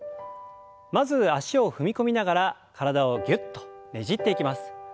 まず脚を踏み込みながら体をぎゅっとねじっていきます。